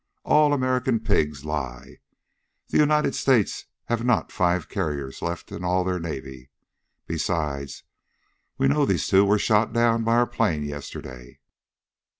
"All American pigs lie. The United States have not five carriers left in all of their navy. Besides, we know these two were shot down by our plane yesterday."